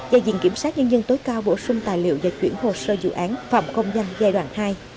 và viện kiểm sát nhân dân tối cao bổ sung tài liệu và chuyển hồ sơ dự án phạm công danh giai đoạn hai